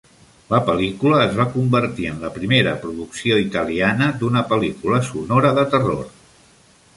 La pel·lícula es va convertir en la primera producció italiana d'una pel·lícula sonora de terror.